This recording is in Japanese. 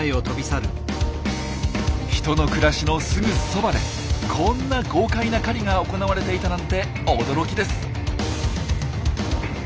人の暮らしのすぐそばでこんな豪快な狩りが行われていたなんて驚きです。